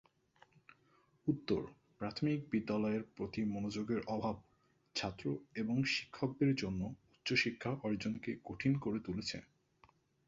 উত্তর-প্রাথমিক বিদ্যালয়ের প্রতি মনোযোগের অভাব ছাত্র এবং শিক্ষকদের জন্য উচ্চশিক্ষা অর্জনকে কঠিন করে তুলেছে।